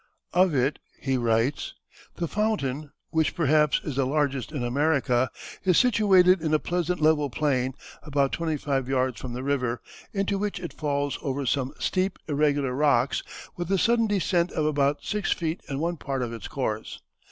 Of it he writes: "The fountain, which perhaps is the largest in America, is situated in a pleasant level plain, about twenty five yards from the river, into which it falls over some steep irregular rocks, with a sudden descent of about six feet in one part of its course.